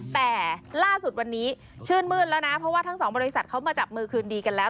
แต่ล่าสุดวันนี้ชื่นมืดแล้วนะเพราะว่าทั้งสองบริษัทเขามาจับมือคืนดีกันแล้ว